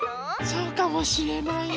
そうかもしれないよ。